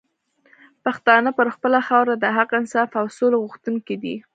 پښتانه پر خپله خاوره د حق، انصاف او سولي غوښتونکي دي